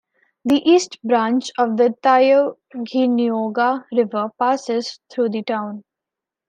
The East Branch of the Tioughnioga River passes through the town.